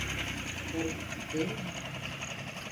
Garip, değil mi?